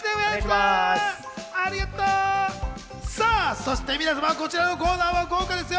そして皆様、こちらのコーナーは豪華ですよ。